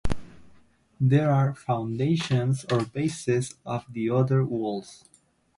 There are foundations or bases of the other walls.